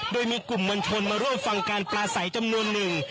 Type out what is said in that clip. โดยมีกลุ่มมวลชนมาร่วมฟังการปลาใสจำนวนหนึ่ง